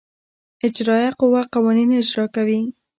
اجرائیه قوه قوانین اجرا کوي.